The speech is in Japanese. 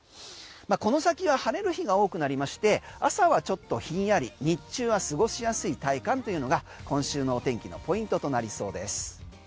この先は晴れる日が多くなりまして朝はちょっとひんやり日中は過ごしやすい体感というのが今週の天気のポイントとなりそうです。